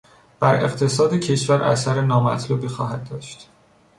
بر اقتصاد کشور اثر نامطلوبی خواهد داشت.